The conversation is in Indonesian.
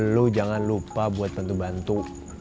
lu jangan lupa buat bantu bantu